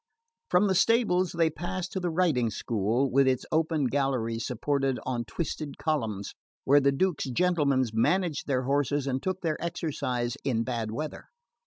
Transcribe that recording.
From the stables they passed to the riding school, with its open galleries supported on twisted columns, where the duke's gentlemen managed their horses and took their exercise in bad weather.